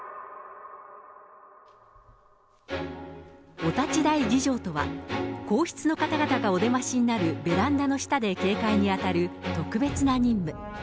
お立ち台儀じょうとは、皇室の方々がお出ましになるベランダの下で警戒に当たる特別な任務。